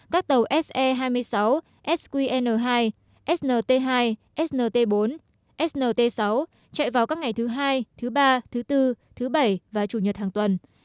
các tàu se hai mươi sáu sqn hai snt hai snt bốn snt sáu chạy vào các ngày thứ hai thứ ba thứ bốn thứ bảy và chủ nhật hàng tuần